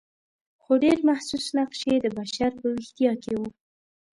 خو ډېر محسوس نقش یې د بشر په ویښتیا کې و.